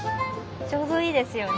ちょうどいいですよね。